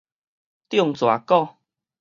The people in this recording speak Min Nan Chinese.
中蛇蠱